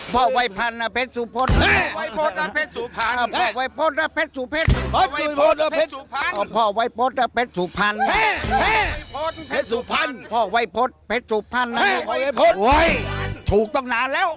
พ่อวัยพศเพชรสุภัณฑ์พ่อวัยพศถูกต้องนานแล้ว